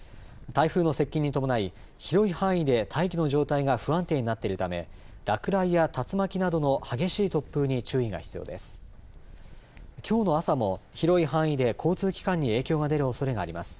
台風の接近に伴い、広い範囲で大気の状態が不安定になっているため落雷や竜巻などの激しい突風に注意が必要です。